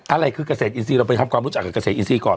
อะไรคือเกษตรอินทรีเราไปทำความรู้จักกับเกษตรอินทรีย์ก่อน